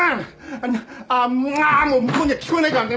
ああーああーもう向こうには聞こえないかう